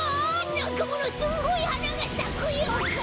なんかものすんごいはながさくよかん！